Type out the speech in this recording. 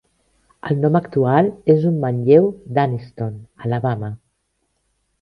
El nom actual és un manlleu d'Anniston, Alabama.